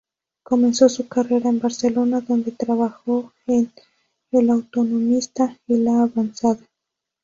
Comenzó su carrera en Barcelona, donde trabajó en "El Autonomista" y "La Avanzada".